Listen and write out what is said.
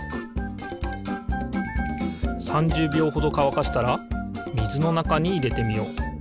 ３０びょうほどかわかしたらみずのなかにいれてみよう。